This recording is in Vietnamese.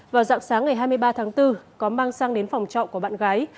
vào dạng sáng ngày hai mươi ba tháng bốn có mang sang đến phòng trọ của bạn gái